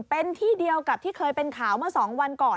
เป็นที่เดียวกับที่เคยเป็นข่าวเมื่อ๒วันก่อน